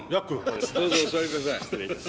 どうぞお座りください。